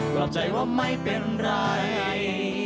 รอบใจว่าไม่เป็นไร